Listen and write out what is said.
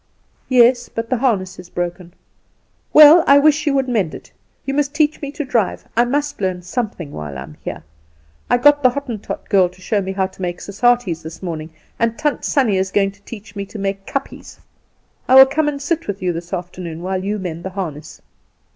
"Yes, but the harness is broken." "Well, I wish you would mend it. You must teach me to drive. I must learn something while I am here. I got the Hottentot girl to show me how to make sarsarties this morning; and Tant Sannie is going to teach me to make kapjes. I will come and sit with you this afternoon while you mend the harness."